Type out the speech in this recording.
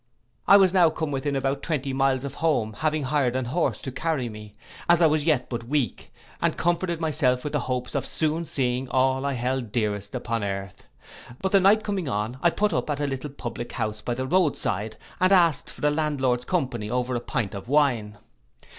I was now come within about twenty miles of home, having hired an horse to carry me, as I was yet but weak, and comforted myself with the hopes of soon seeing all I held dearest upon earth. But the night coming on, I put up at a little public house by the roadside, and asked for the landlord's company over a pint of wine.